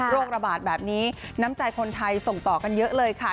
ระบาดแบบนี้น้ำใจคนไทยส่งต่อกันเยอะเลยค่ะ